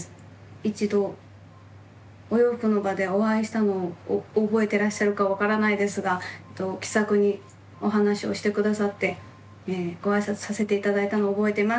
一度お洋服の場でお会いしたのを覚えてらっしゃるか分からないですが気さくにお話をして下さってご挨拶させて頂いたのを覚えています。